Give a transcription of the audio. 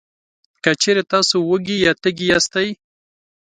که چېرې تاسې وږي یا تږي یاستی،